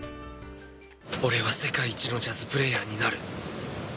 俺は世界一のジャズプレーヤーになる。